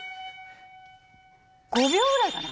５秒ぐらいかな。